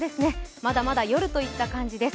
まだまだ夜といった感じです。